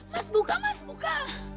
mas buka mas buka